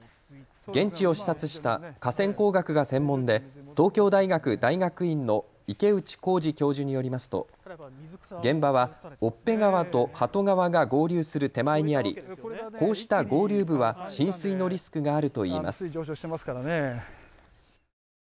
現地を視察した河川工学が専門で東京大学大学院の池内幸司教授によりますと現場は越辺川と鳩川が合流する手前にありこうした合流部は浸水のリスクがあるといいます。